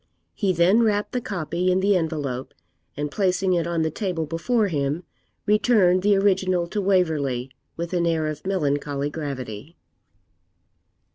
He then wrapped the copy in the envelope, and placing it on the table before him, returned the original to Waverley, with an air of melancholy gravity.